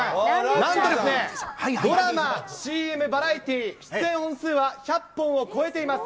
なんとですね、ドラマ、ＣＭ、バラエティー出演本数は１００本を超えています。